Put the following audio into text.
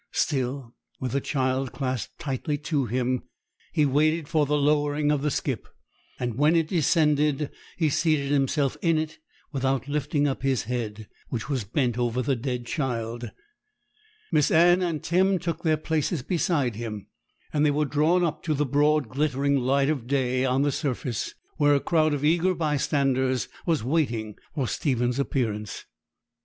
Still, with the child clasped tightly to him, he waited for the lowering of the skip, and when it descended, he seated himself in it without lifting up his head, which was bent over the dead child. Miss Anne and Tim took their places beside him, and they were drawn up to the broad, glittering light of day on the surface, where a crowd of eager bystanders was waiting for Stephen's appearance.